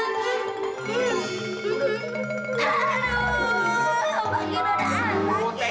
aduh pake dodaan lagi